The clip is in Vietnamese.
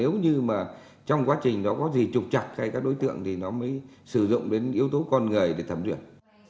nếu như mà trong quá trình nó có gì trục chặt hay các đối tượng thì nó mới sử dụng đến yếu tố con người để thẩm duyệt